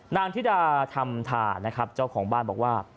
ธิดาธรรมธานะครับเจ้าของบ้านบอกว่า